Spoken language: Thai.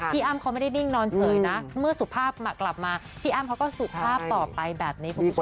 อ้ำเขาไม่ได้นิ่งนอนเฉยนะเมื่อสุภาพกลับมาพี่อ้ำเขาก็สุภาพต่อไปแบบนี้คุณผู้ชม